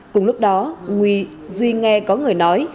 cùng lúc đó duy nghe có người nói